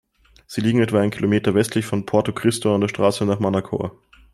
Sie liegen etwa einen Kilometer westlich von Porto Cristo an der Straße nach Manacor.